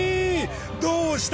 どうした！？